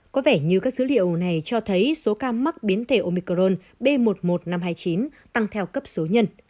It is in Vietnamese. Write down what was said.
có vẻ như các dữ liệu này cho thấy số ca mắc biến thể omicron b một mươi một nghìn năm trăm hai mươi chín tăng theo cấp số nhân